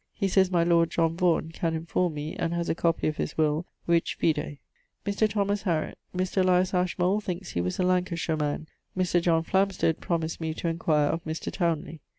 He sayes my lord John Vaughan can enforme me, and haz a copie of his will: which vide. Mr. Thomas Hariot Mr. Elias Ashmole thinkes he was a Lancashire man: Mr. Flamsted promised me to enquire of Mr. Townley.